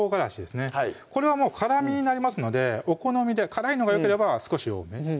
はいこれは辛みになりますのでお好みで辛いのがよければ少し多め